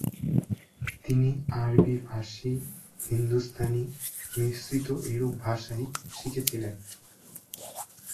তিনি আরবি-ফারসি-হিন্দুস্থানি মিশ্রিত এরূপ ভাষাই শিখেছিলেন।